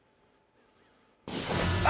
あ！